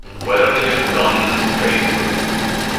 Whatever you have done is praiseworthy.